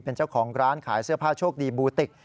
เป็นเจ้าของร้านขายเสื้อผ้าโชคดีบูติก